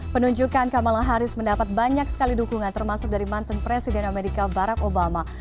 penunjukan kamala harris mendapat banyak sekali dukungan termasuk dari mantan presiden amerika barack obama